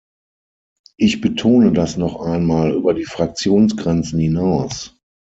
Ich betone das noch einmal über die Fraktionsgrenzen hinaus.